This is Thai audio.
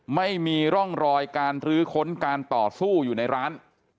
ไม่มีร่องรอยการรื้อค้นการต่อสู้อยู่ในร้าน